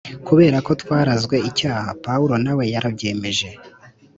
kubera ko twarazwe icyaha, Pawulo na we yarabyemeje